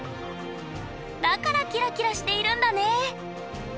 だからキラキラしているんだね